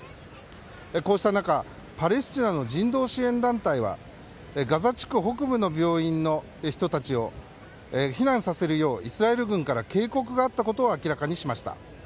こうした中パレスチナの人道支援団体はガザ地区北部の病院の人たちを避難させるようイスラエル軍から警告があったことを明らかにしました。